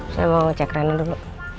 saya mau ngecek reno dulu